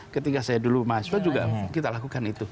ketika saya dulu mahasiswa juga kita lakukan itu